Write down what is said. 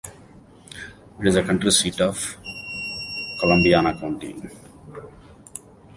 It is the county seat of Columbiana County.